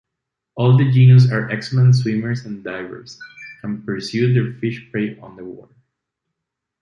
All the genus are excellent swimmers and divers, and pursue their fish prey underwater.